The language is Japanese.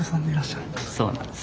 はいそうなんです。